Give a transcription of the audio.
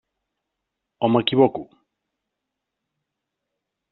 O m'equivoco?